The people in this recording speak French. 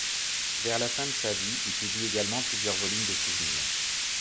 Vers la fin de sa vie, il publie également plusieurs volumes de souvenirs.